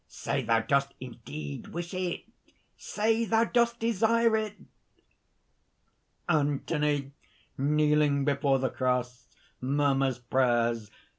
"Say thou dost indeed wish it! say thou dost desire it!" (_Anthony kneeling before the cross, murmurs prayers.